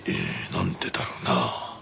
なんでだろうな？